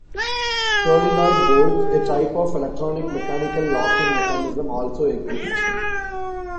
Solenoid bolts, a type of electronic-mechanical locking mechanism, also exist.